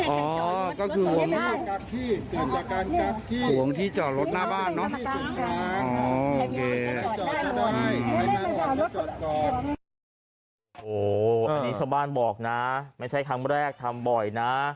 อันนี้ชาวบ้านบอกนะไม่ใช่ครั้งแรกทำบ่อยนะ